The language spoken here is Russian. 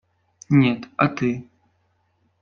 Нет, а ты?